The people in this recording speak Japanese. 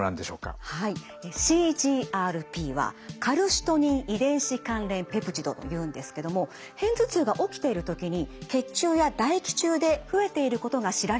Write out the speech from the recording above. はいＣＧＲＰはカルシトニン遺伝子関連ペプチドというんですけども片頭痛が起きている時に血中や唾液中で増えていることが知られている物質です。